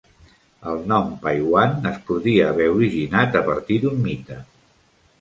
El nom "Paiwan" es podria haver originat a partir d'un mite.